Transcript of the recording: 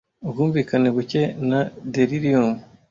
Ubwumvikane buke na delirium